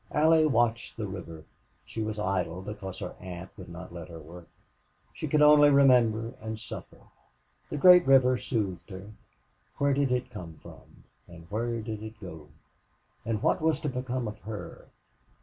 Allie watched the river. She was idle because her aunt would not let her work. She could only remember and suffer. The great river soothed her. Where did it come from and where did it go? And what was to become of her?